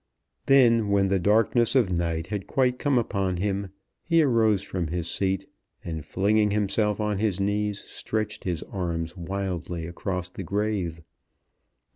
Then, when the darkness of night had quite come upon him, he arose from his seat, and flinging himself on his knees, stretched his arms wildly across the grave.